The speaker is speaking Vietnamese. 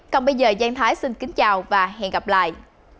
còn bây giờ giang thái xin kính chào và hẹn gặp lại